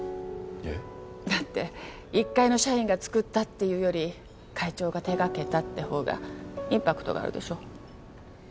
えっ？だって一介の社員が作ったって言うより会長が手掛けたってほうがインパクトがあるでしょ。